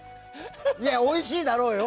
いや、おいしいだろうよ。